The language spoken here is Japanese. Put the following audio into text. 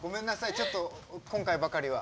ちょっと今回ばかりは。